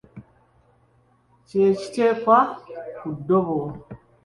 Kye kiteekwa ku ddobo.